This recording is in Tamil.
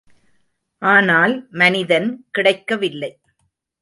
ஆனால் மனிதன் கிடைக்கவில்லை.